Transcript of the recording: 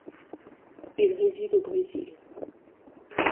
Il réside au Brésil.